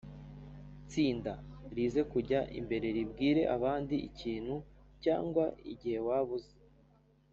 tsinda rize kujya imbere ribwire abandi ikintu cyangwa igihe waba uzi